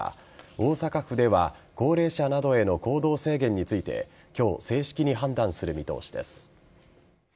大阪府では高齢者などへの行動制限について今日、正式に判断する見通しです。